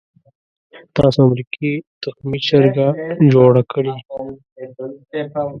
تاسو امریکې تخمي چرګه جوړه کړې.